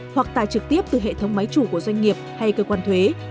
hoặc tài trực tiếp từ hệ thống máy chủ của doanh nghiệp hay cơ quan thuế